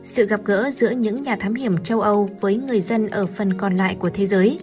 sự gặp gỡ giữa những nhà thám hiểm châu âu với người dân ở phần còn lại của thế giới